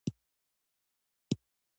دریابونه د افغانستان د شنو سیمو ښکلا ده.